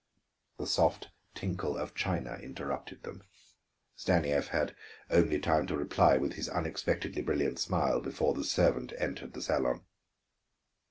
The soft tinkle of china interrupted them. Stanief had only time to reply with his unexpectedly brilliant smile, before the servant entered the salon.